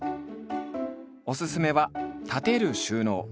おすすめは立てる収納。